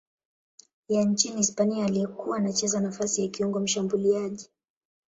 ya nchini Hispania aliyekuwa anacheza nafasi ya kiungo mshambuliaji.